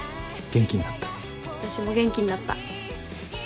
私も元気になった。